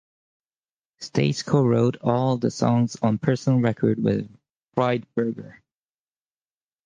Stace co-wrote all of the songs on Personal Record with Friedberger.